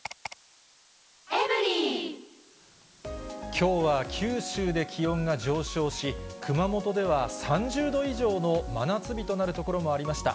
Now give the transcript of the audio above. きょうは九州で気温が上昇し、熊本では３０度以上の真夏日となる所もありました。